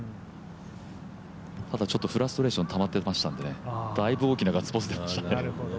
あとはフラストレーションたまってましたんでねだいぶ大きなガッツポーズが出ましたね。